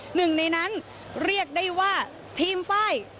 หนึ่งในนั้นเรียกได้ว่าทีมไฟล์